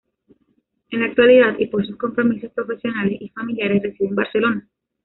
En la actualidad, y por sus compromisos profesionales y familiares, reside en Barcelona.